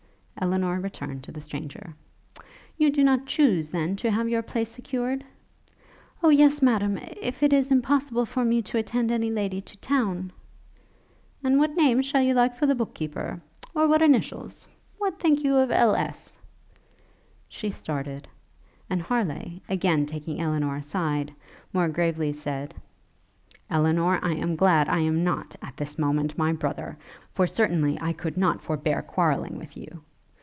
Elinor returned to the stranger. 'You do not chuse, then, to have your place secured?' 'O yes Madam! if it is impossible for me to attend any lady to town.' 'And what name shall you like for the book keeper? Or what initials? What think you of L.S.?' She started; and Harleigh, again taking Elinor aside, more gravely said, 'Elinor, I am glad I am not at this moment my brother! for certainly I could not forbear quarrelling with you!'